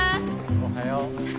おはよう。